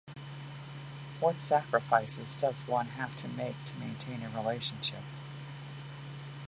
What sacrifices does one have to make to maintain a relationship?